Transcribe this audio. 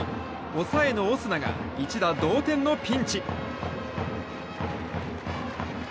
抑えのオスナが一打同点のピンチ。